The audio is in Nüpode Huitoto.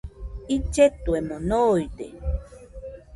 Illetuemo noide.